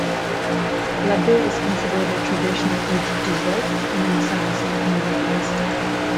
Laddu is considered a traditional Eid dessert in some Muslim communities.